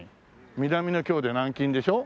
南の京で南京でしょ？